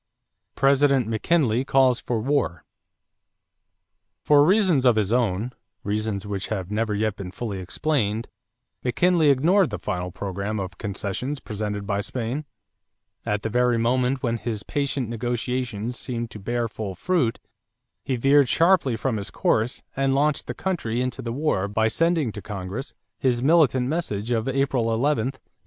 =President McKinley Calls for War.= For reasons of his own reasons which have never yet been fully explained McKinley ignored the final program of concessions presented by Spain. At the very moment when his patient negotiations seemed to bear full fruit, he veered sharply from his course and launched the country into the war by sending to Congress his militant message of April 11, 1898.